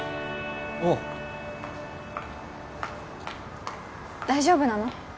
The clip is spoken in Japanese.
おう大丈夫なの？